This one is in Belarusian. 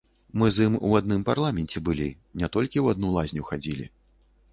Мы з ім у адным парламенце былі, не толькі ў адну лазню хадзілі.